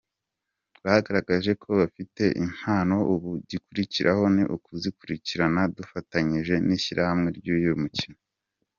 Bagaragaje ko bafite impano ubu igikurikiraho ni ukuzikurikirana dufatanyije n’ishyirahamwe ry’uyu mukino.